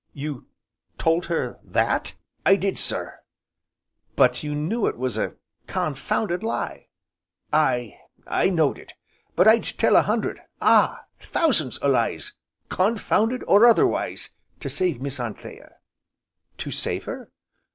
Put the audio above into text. "You told her that?" "I did sir." "But you knew it was a confounded lie." "Aye, I knowed it. But I'd tell a hundred, ah! thousands o' lies, con founded, or otherwise, to save Miss Anthea." "To save her?"